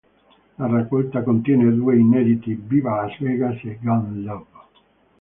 La raccolta contiene due inediti, "Viva Las Vegas" e "Gun Love".